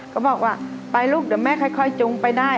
ก็บอกว่าไปลูกเดี๋ยวแม่ค่อยจุงไปได้